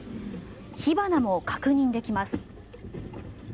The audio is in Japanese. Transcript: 火花も確認できます。